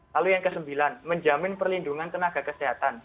lalu yang kesembilan menjamin perlindungan tenaga kesehatan